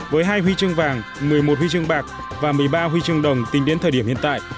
với hai huy chương vàng một mươi một huy chương bạc và một mươi ba huy chương đồng tính đến thời điểm hiện tại